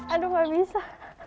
aduh gak bisa